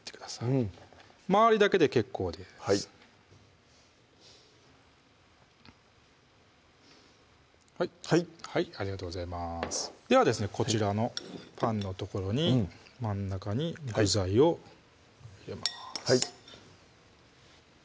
うん周りだけで結構ですはいはいはいありがとうございますではですねこちらのパンの所に真ん中に具材を入れます